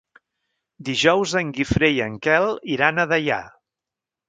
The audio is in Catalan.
Dijous en Guifré i en Quel iran a Deià.